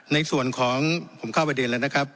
ในส่วนของผมเข้าประเด็นแล้วนะครับ